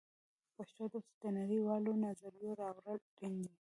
پښتو ادب ته د نړۍ والو نظریو راوړل اړین دي